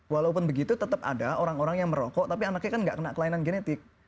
walaupun begitu tetap ada orang orang yang merokok tapi anaknya kan nggak kena kelainan genetik